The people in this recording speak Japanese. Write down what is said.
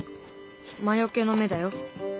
魔よけの目だよ。